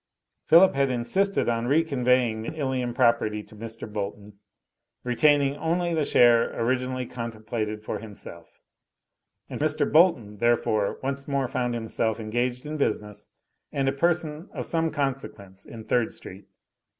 Philip had insisted on re conveying the Ilium property to Mr. Bolton, retaining only the share originally contemplated for himself, and Mr. Bolton, therefore, once more found himself engaged in business and a person of some consequence in Third street.